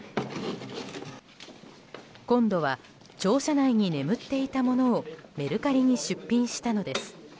今度は庁舎内に眠っていたものをメルカリに出品したのです。